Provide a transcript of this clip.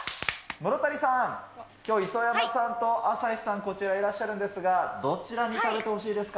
室谷さん、きょう磯山さんと朝日さん、こちらいらっしゃるんですが、どちらに食べてほしいですか。